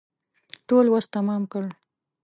ټول وس تمام کړ.